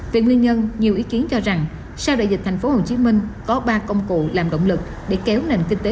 vì nguyên nhân nhiều ý kiến cho rằng sau đại dịch thành phố hồ chí minh có ba công cụ làm động lực để kéo nền kinh tế